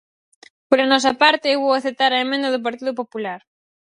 Pola nosa parte, eu vou aceptar a emenda do Partido Popular.